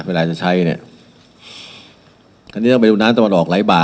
เวลาจะใช้เนี่ยคราวนี้ต้องไปดูน้ำตะวันออกไหลบ่า